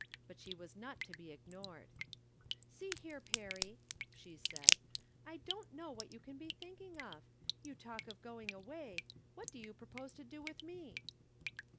But she was not to be ignored. " See here. Perry !" she said, " I don't know what you can be thinking of ! You talk of going away. What do you propose to do with me